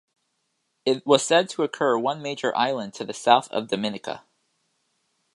It was said to occur one major island to the south of Dominica.